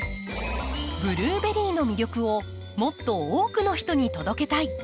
ブルーベリーの魅力をもっと多くの人に届けたい。